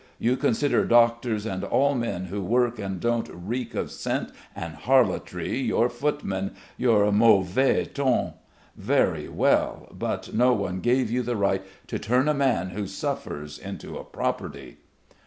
You consider doctors and all men who work and don't reek of scent and harlotry, your footmen, your mauvais tons. Very well, but no one gave you the right to turn a man who suffers into a property."